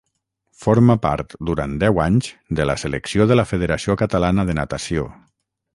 Forma part durant deu anys de la selecció de la Federació Catalana de Natació.